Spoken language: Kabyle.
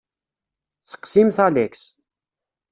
Seqsimt Alex.